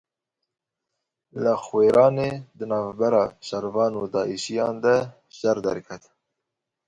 Li Xwêranê di navbera şervan û Daişiyan de şer derket.